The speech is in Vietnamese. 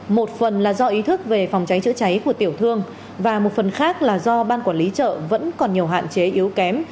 một phần là do ý thức về phòng cháy chữa cháy của tiểu thương và một phần khác là do ban quản lý chợ vẫn còn nhiều hạn chế yếu kém